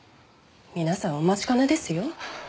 皆さんお待ちかねですよ。